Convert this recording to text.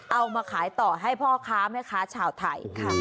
เอามาขายต่อให้พ่อค้าแม่ค้าชาวไทยค่ะ